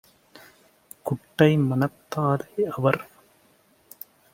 குட்டை மனத்தாலே - அவர்